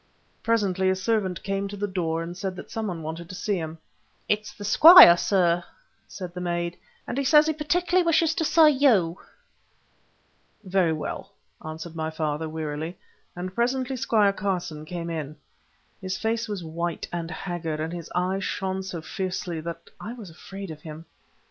Presently a servant came to the door and said that some one wanted to see him. "It is the squire, sir," said the maid, "and he says he particularly wishes to see you." "Very well," answered my father, wearily, and presently Squire Carson came in. His face was white and haggard, and his eyes shone so fiercely that I was afraid of him.